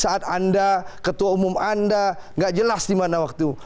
saat anda ketua umum anda nggak jelas di mana waktu